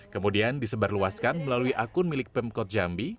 kemudian disebarluaskan melalui akun milik pemkot jambi